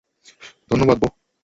ধন্যবাদ, বোহ।